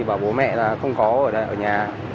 bảo bố mẹ là không có ở nhà